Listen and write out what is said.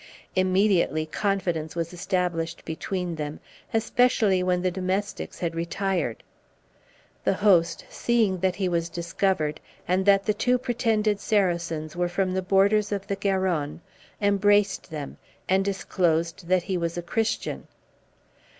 Immediately confidence was established between them; especially when the domestics had retired. The host, seeing that he was discovered, and that the two pretended Saracens were from the borders of the Garonne, embraced them, and disclosed that he was a Christian.